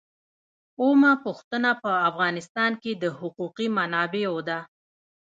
اوومه پوښتنه په افغانستان کې د حقوقي منابعو ده.